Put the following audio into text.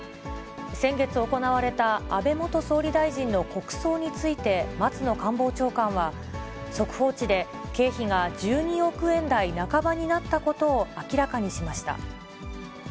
先月行われた安倍元総理大臣の国葬について松野官房長官は、速報値で経費が１２億円台半ばになったことを明らかにしました。